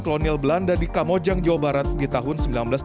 klonel belanda di kamojang jawa barat di tahun seribu sembilan ratus dua puluh enam